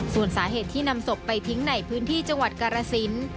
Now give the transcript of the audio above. ส่วนสาเหตุที่นำศพไปทิ้งในพื้นที่จังหวัดกรสิน